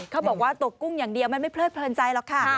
เขาบอกว่าตกกุ้งอย่างเดียวมันไม่เพลิดเพลินใจหรอกค่ะ